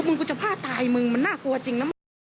มึงกูจะพลาดตายมึงมันน่ากลัวจริงนะ